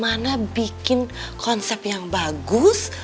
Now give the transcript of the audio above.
mana bikin konsep yang bagus